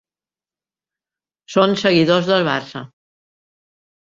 Són seguidors del Barça.